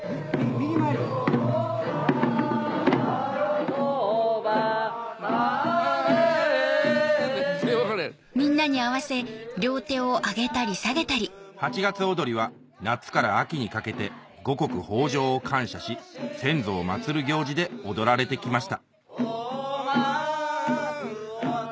・右回り・八月踊りは夏から秋にかけて五穀豊穣を感謝し先祖を祀る行事で踊られてきました